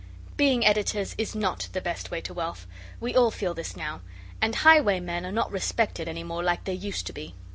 Being editors is not the best way to wealth. We all feel this now, and highwaymen are not respected any more like they used to be.